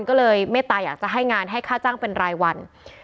ก็เลยเมตตาอยากจะให้งานให้ค่าจ้างเป็นรายวัน